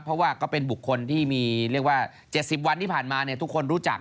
เพราะว่าก็เป็นบุคคลที่มีเรียกว่า๗๐วันที่ผ่านมาทุกคนรู้จัก